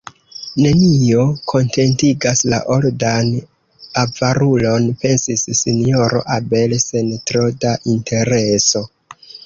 Nenio kontentigas la oldan avarulon, pensis Sinjoro Abel sen tro da intereso.